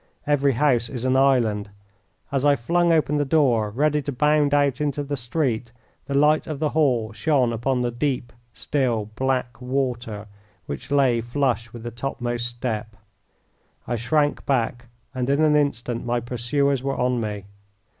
Every house is an island. As I flung open the door, ready to bound out into the street, the light of the hall shone upon the deep, still, black water which lay flush with the topmost step. I shrank back, and in an instant my pursuers were on me.